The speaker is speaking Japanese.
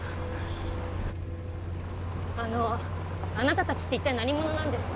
あのあなた達って一体何者なんですか？